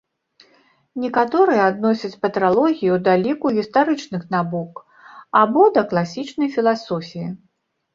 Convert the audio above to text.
Некаторыя адносяць патралогію да ліку гістарычных навук або да класічнай філасофіі.